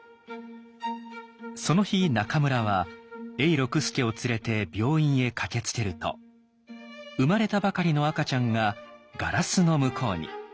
その日中村は永六輔を連れて病院へ駆けつけると生まれたばかりの赤ちゃんがガラスの向こうに。